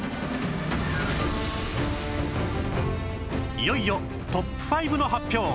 いよいよトップ５の発表